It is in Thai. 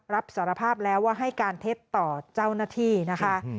รับสารภาพแล้วว่าให้การเท็จต่อเจ้าหน้าที่นะคะ